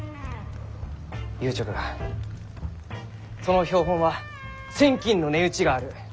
言うちょくがその標本は千金の値打ちがある。